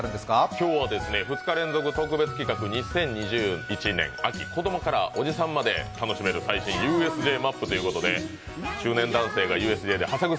今日は２日連続特別企画、２０２１年秋、子どもからおじさんまで楽しめる最新ＵＳＪマップということで中年男性がＵＳＪではしゃぐ